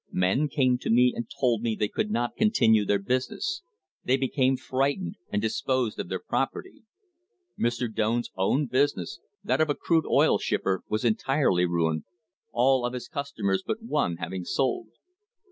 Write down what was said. Men came to me and told me they could not continue their business; they became fright ened and disposed of their property." Mr. Doane's own business, that of a crude oil shipper, was entirely ruined, all of his customers but one having sold.